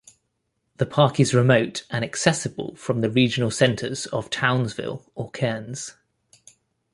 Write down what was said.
The park is remote, and accessible from the regional centres of Townsville or Cairns.